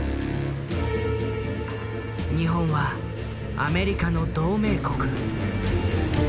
日本はアメリカの同盟国。